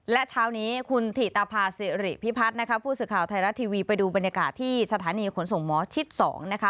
และเช้านี้คุณถิตภาษิริพิพัฒน์นะคะผู้สื่อข่าวไทยรัฐทีวีไปดูบรรยากาศที่สถานีขนส่งหมอชิด๒นะคะ